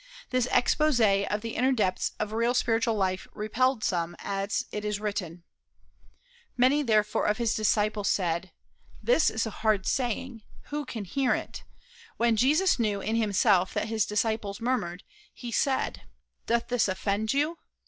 This exposé of the inner depths of real spiritual life repelled some, as it is written: "Many, therefore, of his disciples said: This is a hard saying. Who can hear it? When Jesus knew in himself that his disciples murmured, he said: Doth this offend you?...